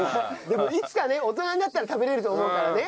でもいつかね大人になったら食べられると思うからね。